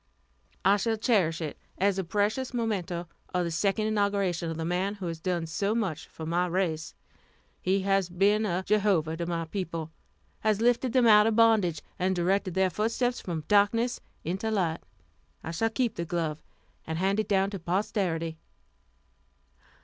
"I shall cherish it as a precious memento of the second inauguration of the man who has done so much for my race. He has been a Jehovah to my people has lifted them out of bondage, and directed their footsteps from darkness into light. I shall keep the glove, and hand it down to posterity."